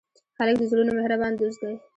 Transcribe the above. هلک د زړونو مهربان دوست دی.